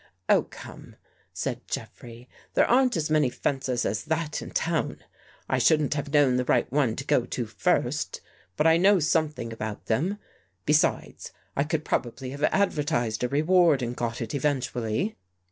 '' Oh, come," said Jeffrey. " There aren't as many fences as that in town. I shouldn't have known the right one to go to first, but I know some thing about them. Besides, I could probably have advertised a reward and got it eventually."